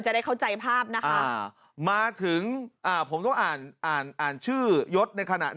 ต้องการตลุดโทนทักษิณชินวัตรนะครับ